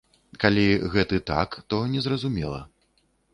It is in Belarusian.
Калі гэты так, то незразумела.